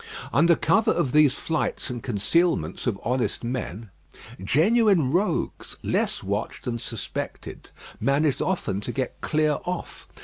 Under cover of these flights and concealments of honest men, genuine rogues, less watched and suspected, managed often to get clear off.